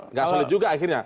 nggak solid juga akhirnya